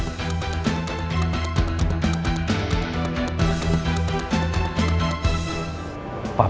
tolong bantu papa ya